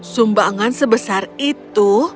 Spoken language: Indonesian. sumbangan sebesar itu